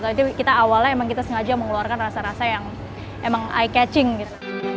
itu kita awalnya emang kita sengaja mengeluarkan rasa rasa yang emang eye catching gitu